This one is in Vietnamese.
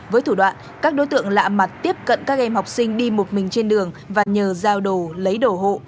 với thủ đoạn các đối tượng lạ mặt tiếp cận các em học sinh đi một mình trên đường và nhờ giao đồ lấy đổ hộ